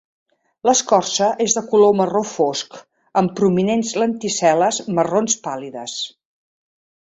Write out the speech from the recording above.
L'escorça és de color marró fosc amb prominents lenticel·les marrons pàl·lides.